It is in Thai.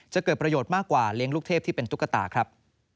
เกิดประโยชน์มากกว่าเลี้ยงลูกเทพที่เป็นตุ๊กตาครับ